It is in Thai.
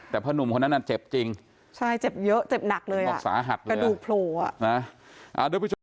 แต่เพิ่กนุ่มคนถึงจับจริงใช่เจ็บเยอะเจ็บหนักเลยกระดูกโผลด